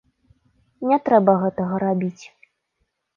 Не трэба гэтага рабіць.